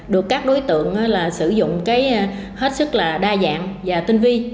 được các đối tượng sử dụng hết sức là đa dạng và tinh vi